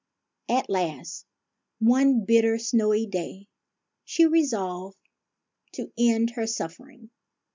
At last, one bitter, snowy day, she resolved to end her suffering.